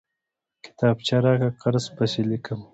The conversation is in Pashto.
کتابچه راکړه، قرض پسې ليکم!